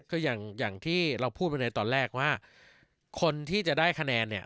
คืออย่างที่เราพูดไปในตอนแรกว่าคนที่จะได้คะแนนเนี่ย